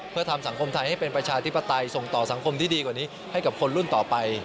เพื่อทำสังคมไทยให้เป็นประชาธิปไตยส่งต่อสังคมที่ดีกว่านี้ให้กับคนรุ่นต่อไป